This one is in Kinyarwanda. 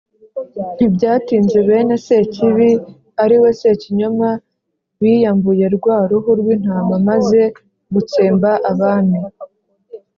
Ntibyatinze, bene Sekibi ariwe Sekinyoma biyambuye rwa ruhu rw'Intama maze gutsemba Abami